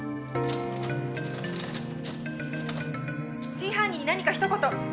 「真犯人に何か一言」